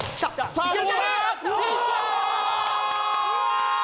さあどうだ？